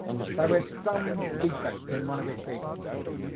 There is some defect in one of his feet.